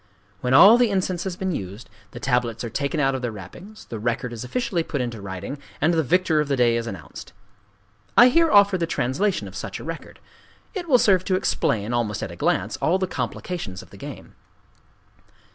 When all the incense has been used, the tablets are taken out of their wrappings, the record is officially put into writing, and the victor of the day is announced. I here offer the translation of such a record: it will serve to explain, almost at a glance, all the complications of the game.